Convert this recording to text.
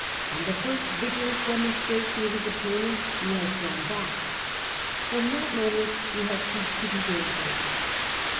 On the first vigorous demonstration of his opponents he has drawn back ; from that moment he has ceased to be dangerous.